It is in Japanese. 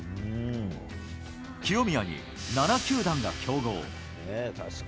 清宮に７球団が競合。